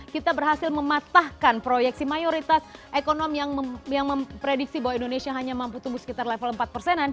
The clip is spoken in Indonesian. kita berhasil mematahkan proyeksi mayoritas ekonomi yang memprediksi bahwa indonesia hanya mampu tumbuh sekitar level empat persenan